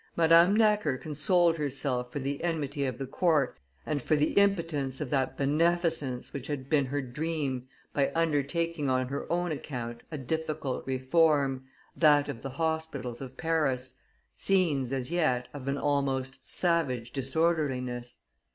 Madame Necker consoled herself for the enmity of the court and for the impotence of that beneficence which had been her dream by undertaking on her own account a difficult reform, that of the hospitals of Paris, scenes, as yet, of an almost savage disorderliness.